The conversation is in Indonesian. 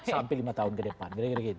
sampai lima tahun ke depan